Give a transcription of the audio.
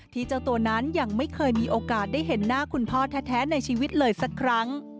เจ้าตัวนั้นยังไม่เคยมีโอกาสได้เห็นหน้าคุณพ่อแท้ในชีวิตเลยสักครั้ง